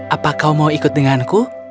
apa kau mau ikut denganku